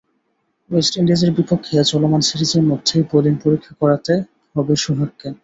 West ইন্ডিজের বিপক্ষে চলমান সিরিজের মধ্যেই বোলিং পরীক্ষা করাতে হবে সোহাগকে।